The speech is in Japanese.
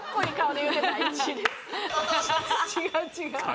違う違う。